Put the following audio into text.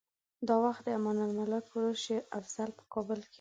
دا وخت د امان الملک ورور شېر افضل په کابل کې و.